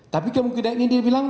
tapi kemungkinan ini dia bilang